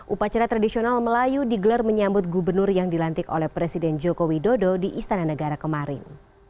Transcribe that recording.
upacara tradisional melayu digelar menyambut gubernur yang dilantik oleh presiden joko widodo di istana negara kemarin